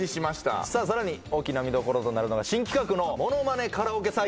さらに大きな見どころとなるのが新企画のものまねカラオケ採点。